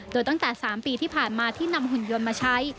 โดยตั้งแต่๓ปีที่ผ่านมาที่นำหุ่นยนต์มาใช้